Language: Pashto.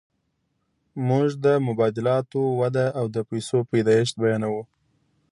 موږ د مبادلاتو وده او د پیسو پیدایښت بیانوو